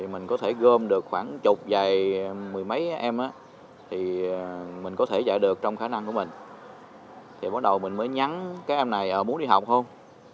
mình mới nhắn các em này muốn đi học không